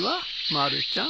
まるちゃん。